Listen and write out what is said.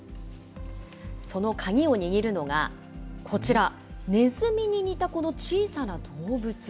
その鍵を握るのが、こちら、ネズミに似たこの小さな動物。